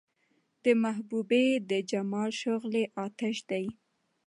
د محبوبې د جمال شغلې اۤتش دي